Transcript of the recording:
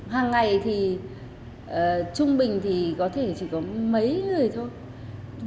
hàng ngày thì trung bình thì có thể chỉ có mấy người thôi